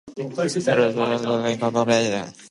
Every preset is made up of different components.